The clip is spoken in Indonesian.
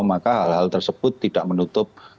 maka hal hal tersebut tidak menutup